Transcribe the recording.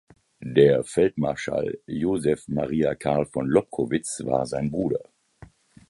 Der Feldmarschall Joseph Maria Karl von Lobkowitz war sein Bruder.